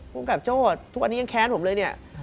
ภูมิกับโจ้ทุกวันนี้ยังแค้นผมเลยเนี่ย